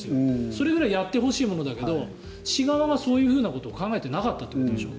それぐらいやってほしいものだけど市側がそういうことを考えていなかったということでしょ。